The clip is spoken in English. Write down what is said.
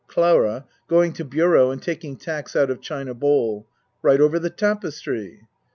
CLARA (Going to bureau and taking tacks out of china bowl.) Right over the tapestry.